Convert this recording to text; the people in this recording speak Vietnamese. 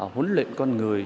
huấn luyện con người